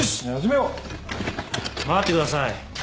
待ってください。